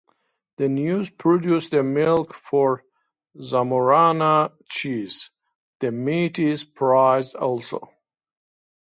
The ewes produce the milk for Zamorana cheese; the meat is prized also.